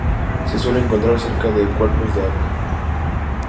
Se suele encontrar cerca de cuerpos de agua.